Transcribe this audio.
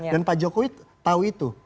dan pak jokowi tahu itu